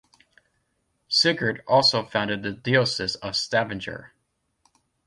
Sigurd also founded the diocese of Stavanger.